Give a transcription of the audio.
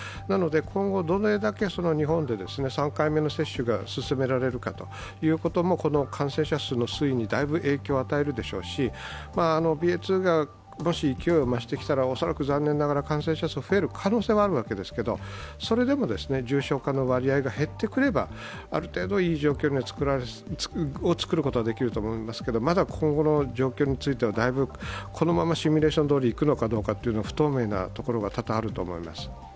なので、今後、どれだけ日本で３回目の接種が進められるかということもこの感染者数の推移にだいぶ影響を与えるでしょうしＢＡ．２がもし勢いを増してきたらおそらく残念ながら感染者数は増える可能性はあるわけですがそれでも重症化の割合が減ってくればある程度いい状況を作ることはできると思いますけどまだ今後の状況については、このままシミュレーションどおりいくのかどうかは不透明なところが多々あると思います。